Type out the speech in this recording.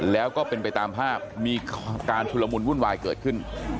แล้วก็เป็นไปตามภาพมีการชุลมุนวุ่นวายเกิดขึ้น